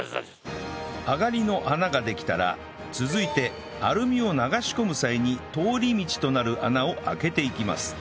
あがりの穴ができたら続いてアルミを流し込む際に通り道となる穴を開けていきます